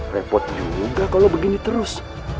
repot juga kalau begini terus